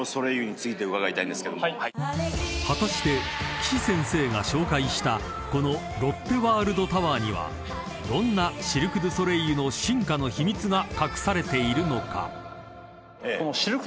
［果たして岸先生が紹介したこのロッテワールドタワーにはどんなシルク・ドゥ・ソレイユの進化の秘密が隠されているのか？］